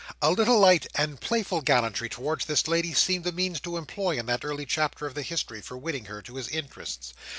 A little light and playful gallantry towards this lady seemed the means to employ in that early chapter of the history, for winning her to his interests.